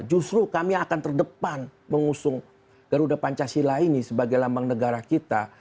justru kami akan terdepan mengusung garuda pancasila ini sebagai lambang negara kita